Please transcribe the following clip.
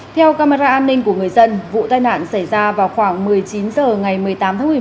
theo camera an ninh của người dân vụ tai nạn xảy ra vào khoảng một mươi chín h ngày một mươi tám tháng một mươi một